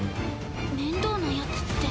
面倒なヤツって？